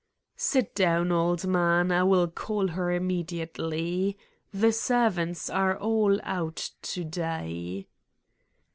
"Sit down, old man. I will call her immediately. The servants are all out to day."